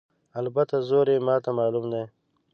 البته زور یې ماته معلوم دی.